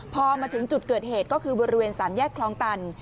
พอมาถึงจุดเกิดเหตุก็คือบริเวณ๓แยกคลองตัน